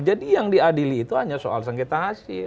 jadi yang diadili itu hanya soal sengketa hasil